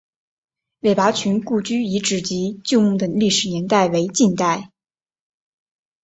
韦拔群故居遗址及旧墓的历史年代为近代。